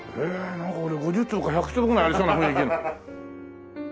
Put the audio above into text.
なんか俺５０坪か１００坪ぐらいありそうな雰囲気の。